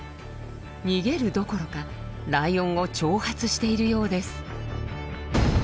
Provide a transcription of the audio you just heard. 逃げるどころかライオンを挑発しているようです。